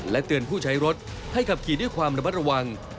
เตือนผู้ใช้รถให้ขับขี่ด้วยความระมัดระวัง